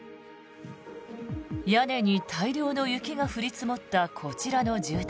屋根に大量の雪が降り積もったこちらの住宅。